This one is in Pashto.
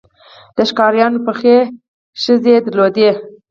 د ښکاریانو پخې خزې یې درلودې.